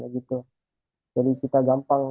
jadi kita gampang